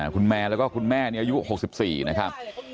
คุณแมนแล้วก็คุณแม่นี่อายุ๖๔นะครับ